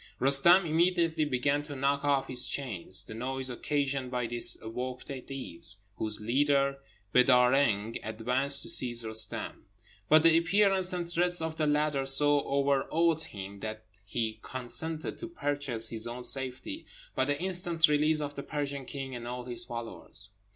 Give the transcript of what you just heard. Roostem immediately began to knock off his chains. The noise occasioned by this awoke the Deevs, whose leader, Beedâr Reng, advanced to seize Roostem; but the appearance and threats of the latter so overawed him that he consented to purchase his own safety by the instant release of the Persian king and all his followers.